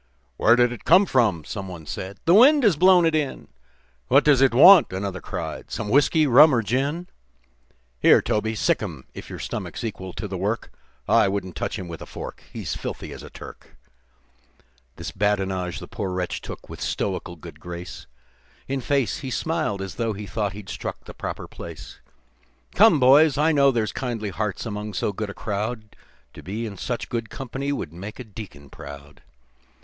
"Where did it come from?" someone said. " The wind has blown it in." "What does it want?" another cried. "Some whiskey, rum or gin?" "Here, Toby, sic 'em, if your stomach's equal to the work I wouldn't touch him with a fork, he's filthy as a Turk." This badinage the poor wretch took with stoical good grace; In face, he smiled as tho' he thought he'd struck the proper place. "Come, boys, I know there's kindly hearts among so good a crowd To be in such good company would make a deacon proud.